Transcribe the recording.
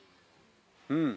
うん。